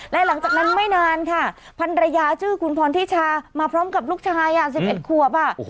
และหลังจากนั้นไม่นานค่ะพันรยาชื่อคุณพรทิชามาพร้อมกับลูกชาย๑๑ขวบ